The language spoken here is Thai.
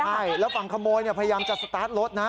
ใช่แล้วฝั่งขโมยพยายามจะสตาร์ทรถนะ